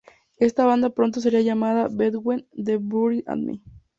Esta banda pronto sería llamado Between The Buried And Me.